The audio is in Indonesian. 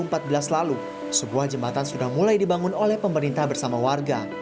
dua ribu empat belas lalu sebuah jembatan sudah mulai dibangun oleh pemerintah bersama warga